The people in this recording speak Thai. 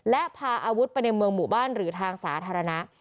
และพาอาวุธไปในเมืองหมู่บ้านหรือทางสาธารณะ